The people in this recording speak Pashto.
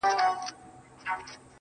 خپه په دې یم چي زه مرم ته به خوشحاله یې.